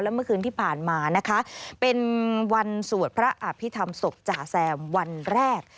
เมื่อคืนที่ผ่านมานะคะเป็นวันสวดพระอภิษฐรรมศพจ่าแซมวันแรก